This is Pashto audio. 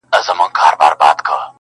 له نيکه را پاته سوی په ميراث دی؛